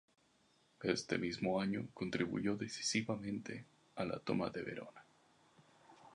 Ese mismo año contribuyó decisivamente a la toma de Verona.